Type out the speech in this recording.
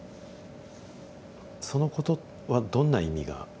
そのことはどんな意味がありますか？